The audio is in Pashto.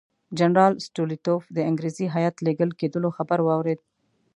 جنرال سټولیتوف د انګریزي هیات لېږل کېدلو خبر واورېد.